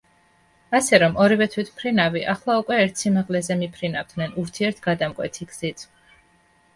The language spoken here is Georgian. ასე რომ ორივე თვითმფრინავი ახლა უკვე ერთ სიმაღლეზე მიფრინავდნენ ურთიერთ გადამკვეთი გზით.